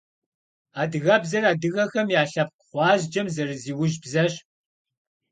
Адыгэбзэр адыгэхэм я лъэпкъ гъуазджэм зэрызиужь бзэщ.